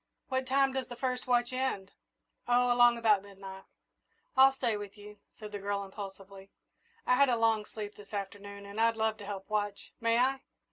"What time does the first watch end?" "Oh, along about midnight." "I'll stay with you," said the girl impulsively; "I had a long sleep this afternoon, and I'd love to help watch. May I?"